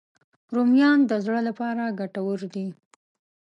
رومیان د زړه لپاره ګټور دي